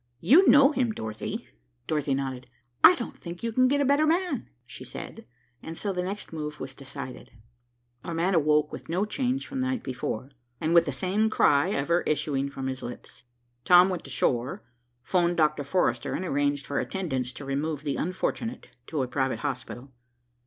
You know him, Dorothy?" Dorothy nodded. "I don't think you can get a better man," she said, and so the next move was decided. Our man awoke with no change from the night before, and with the same cry ever issuing from his lips. Tom went ashore, 'phoned Dr. Forrester, and arranged for attendants to remove the unfortunate to a private hospital.